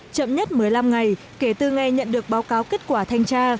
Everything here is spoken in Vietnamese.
chậm nhất một mươi năm ngày kể từ ngày nhận được báo cáo kết quả thanh tra